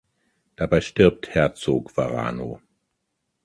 Dabei stirbt Herzog Varano.